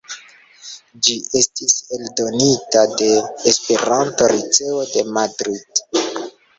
Ĝi estis eldonita de Esperanto-Liceo de Madrid.